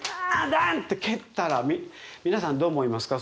ダンって蹴ったら皆さんどう思いますか？